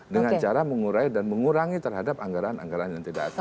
dengan cara mengurai dan mengurangi terhadap anggaran anggaran yang tidak ada